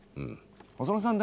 細野さん